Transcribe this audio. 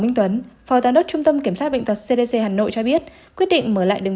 minh tuấn phó giám đốc trung tâm kiểm soát bệnh tật cdc hà nội cho biết quyết định mở lại đường